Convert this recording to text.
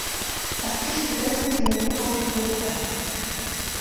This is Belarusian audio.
Кастрычнік рэзка змяніў аўдыторыю тэатра.